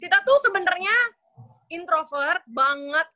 kita tuh sebenarnya introvert banget